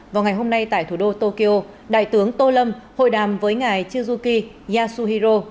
vào ngày hôm nay tại thủ đô tokyo đại tướng tô lâm hội đàm với ngài juki yasuhiro